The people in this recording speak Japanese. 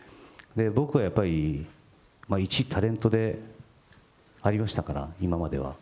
僕はやっぱり一タレントでありましたから、今までは。